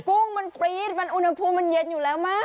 กุ้งมันปรี๊ดมันอุณหภูมิมันเย็นอยู่แล้วมาก